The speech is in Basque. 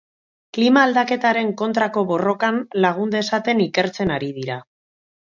Klima aldaketaren kontrako borrokan lagun dezaken ikertzen ari dira.